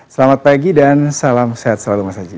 selamat pagi dan salam sehat selalu mas aji